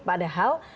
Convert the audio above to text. apakah ada hal